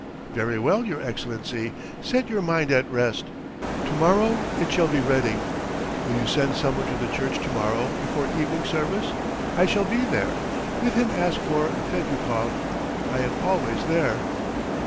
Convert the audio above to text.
"Very well, your Excellency, set your mind at rest! To morrow it shall be ready! Will you send someone to the church to morrow before evening service? I shall be there. Bid him ask for Fedyukov. I am always there.